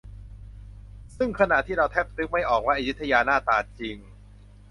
ซึ่งขณะที่เราแทบนึกไม่ออกว่าอยุธยาหน้าตาจริง